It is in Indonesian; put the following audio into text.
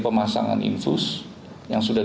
pemasangan infus yang sudah